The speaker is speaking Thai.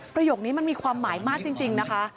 ประโยคนี้มันมีความหมายมากจริงนะคะ